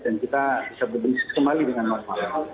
dan kita bisa berbensis kembali dengan normal